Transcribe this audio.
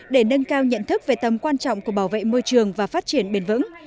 để nâng cao nhận thức về tầm quan trọng của bảo vệ môi trường và phát triển bền vững